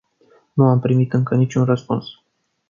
Nu am primit încă niciun răspuns.